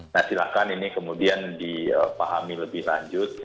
nah silahkan ini kemudian dipahami lebih lanjut